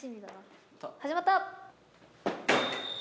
始まった。